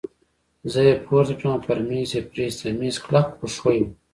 زه يې پورته کړم او پر مېز پرې ایستم، مېز کلک خو ښوی وو.